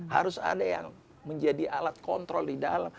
harus ada yang menjadi alat kontrol